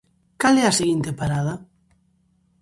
Cal é a seguinte parada?